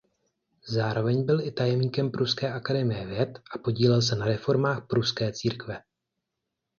Zároveň byl i tajemníkem Pruské akademie věd a podílel se na reformách pruské církve.